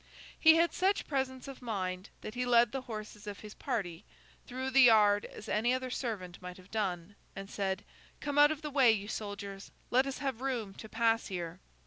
He had such presence of mind, that he led the horses of his party through the yard as any other servant might have done, and said, 'Come out of the way, you soldiers; let us have room to pass here!